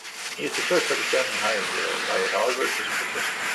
He is the first Pakistani hired by Harvard as professor.